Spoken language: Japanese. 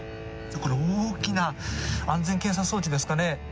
これ大きな安全検査装置ですかね。